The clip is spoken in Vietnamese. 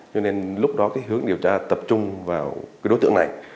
cho nên lúc đó cái hướng điều tra tập trung vào cái đối tượng này